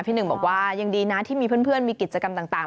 หนึ่งบอกว่ายังดีนะที่มีเพื่อนมีกิจกรรมต่าง